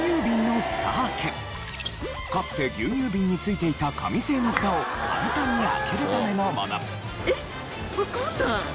かつて牛乳瓶に付いていた紙製の蓋を簡単に開けるためのもの。